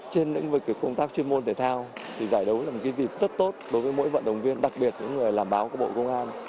trên lĩnh vực công tác chuyên môn thể thao thì giải đấu là một dịp rất tốt đối với mỗi vận động viên đặc biệt những người làm báo của bộ công an